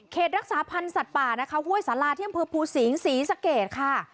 รักษาพันธ์สัตว์ป่านะคะห้วยสาราที่อำเภอภูสิงศรีสะเกดค่ะ